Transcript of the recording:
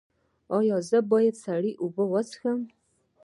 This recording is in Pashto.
ایا زه باید سړې اوبه وڅښم؟